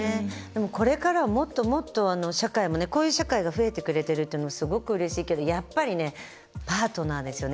これからはもっともっと社会もねこういう社会が増えてくれてるというのはすごくうれしいけどやっぱりパートナーですよね。